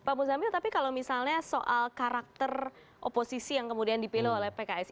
pak muzamil tapi kalau misalnya soal karakter oposisi yang kemudian dipilih oleh pks